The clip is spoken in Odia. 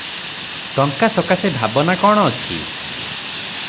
ଟଙ୍କା ସକାଶେ ଭାବନା କଣ ଅଛି?